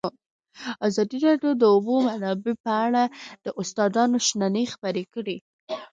ازادي راډیو د د اوبو منابع په اړه د استادانو شننې خپرې کړي.